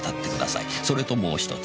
「それとももう１つ。